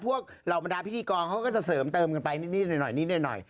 เหล่าบรรดาพิธีกรเขาก็จะเสริมเติมกันไปนิดหน่อยนิดหน่อย